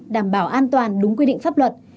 đảm bảo an toàn đúng quy định pháp luật